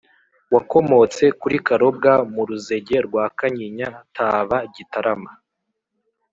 wakomotse kuri karobwa mu ruzege rwa kanyinya (taba-gitarama)